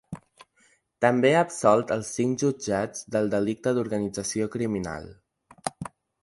També ha absolt els cinc jutjats del delicte d’organització criminal.